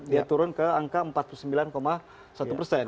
dia turun ke angka empat puluh sembilan satu persen